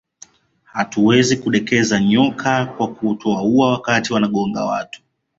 Hatuwezi kudekeza nyoka kwa kutowaua wakati wanagonga watu